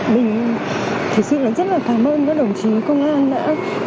mình thật sự rất là cảm ơn các đồng chí công an đã hy sinh